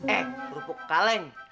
eh rupuk kaleng